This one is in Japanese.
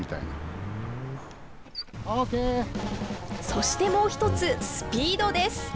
そして、もう１つスピードです。